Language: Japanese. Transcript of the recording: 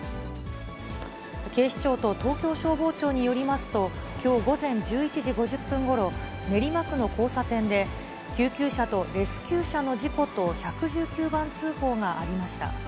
警視庁と東京消防庁によりますと、きょう午前１１時５０分ごろ、練馬区の交差点で、救急車とレスキュー車の事故と、１１９番通報がありました。